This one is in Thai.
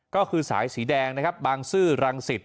ก็คือสายสีแดงนะครับบางซื่อรังสิต